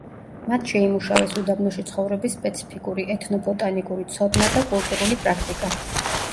მათ შეიმუშავეს უდაბნოში ცხოვრების სპეციფიკური ეთნობოტანიკური ცოდნა და კულტურული პრაქტიკა.